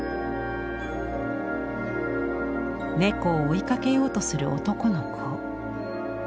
猫を追いかけようとする男の子。